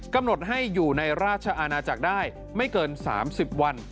กำหนดให้อยู่ในราชอาณาจักรได้ไม่เกิน๓๐วัน